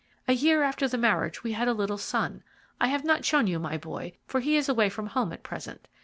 A year after the marriage we had a little son. I have not shown you my boy, for he is away from home at present.